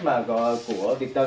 mà gọi là của việt tân